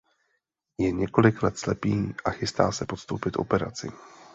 Je několik let slepý a chystá se podstoupit operaci.